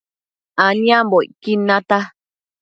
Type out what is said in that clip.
aniambocquid nata